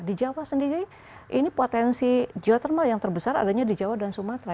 di jawa sendiri ini potensi geothermal yang terbesar adanya di jawa dan sumatera